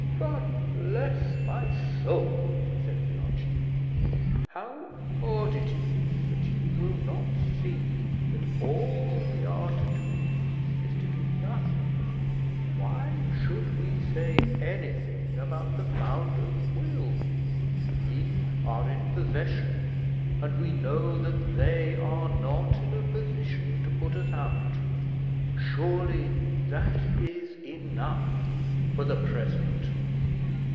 "God bless my soul!" said the archdeacon, "how odd it is that you will not see that all we are to do is to do nothing: why should we say anything about the founder's will? We are in possession; and we know that they are not in a position to put us out; surely that is enough for the present."